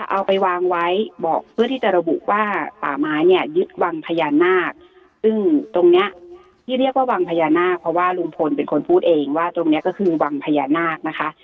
เอาไปวางไว้บอกเพื่อที่จะระบุว่าป่าไม้เนี่ยยึดวังพญานาคซึ่งตรงเนี้ยที่เรียกว่าวังพญานาคเพราะว่าลุงพลเป็นคนพูดเองว่าตรงเนี้ยก็คือวังพญานาคนะคะ